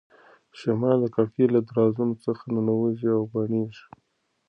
شمال د کړکۍ له درزونو څخه ننوځي او بڼیږي.